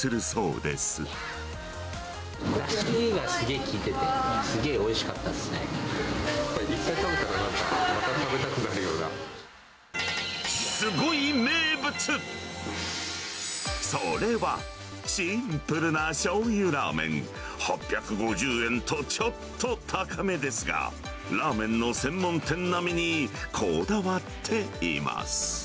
だしがすげえ効いてて、１回食べたら、なんか、すごい名物、それは、シンプルなしょうゆラーメン８５０円とちょっと高めですが、ラーメンの専門店並みにこだわっています。